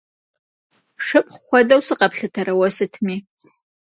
Шыпхъу хуэдэу сыкъэплъытэрэ уэ сытми?